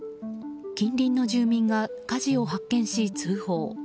近隣の住民が火事を発見し通報。